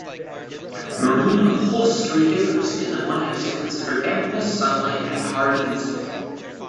Marine upholstery differs in that one has to consider dampness, sunlight and hard usage.